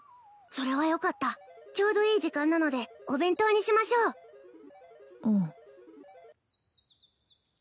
それはよかったちょうどいい時間なのでお弁当にしましょううん